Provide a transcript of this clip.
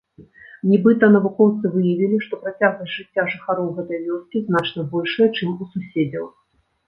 Нібыта, навукоўцы выявілі, што працягласць жыцця жыхароў гэтай вёскі значна большая, чым у суседзяў.